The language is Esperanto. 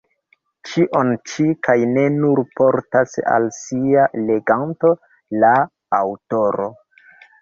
Ĉion ĉi, kaj ne nur, portas al sia leganto la aŭtoro.